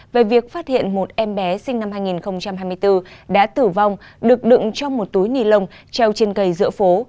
về việc phát hiện một em bé sinh năm hai nghìn hai mươi bốn đã tử vong được đựng trong một túi ni lông treo trên cây giữa phố